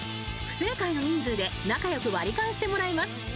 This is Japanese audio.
不正解の人数で仲良く割り勘してもらいます。